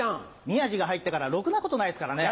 宮治が入ってからろくなことないですからね。